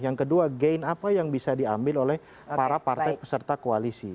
yang kedua gain apa yang bisa diambil oleh para partai peserta koalisi